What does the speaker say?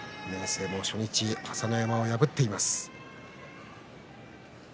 初日、朝乃山を破っています。